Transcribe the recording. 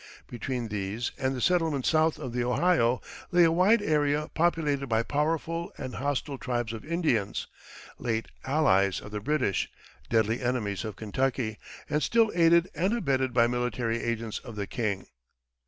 Between these and the settlements south of the Ohio lay a wide area populated by powerful and hostile tribes of Indians, late allies of the British, deadly enemies of Kentucky, and still aided and abetted by military agents of the king.